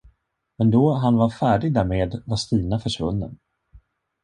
Men då han var färdig därmed, var Stina försvunnen.